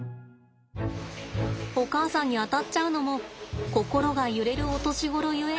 お母さんに当たっちゃうのも心が揺れるお年頃ゆえというわけで。